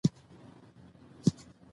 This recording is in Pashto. د وحشي ځناور شکل اختيار وي